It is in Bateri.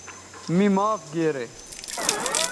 می معاف گیرے